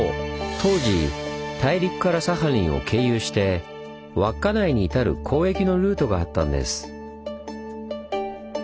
当時大陸からサハリンを経由して稚内に至る交易のルートがあったんです。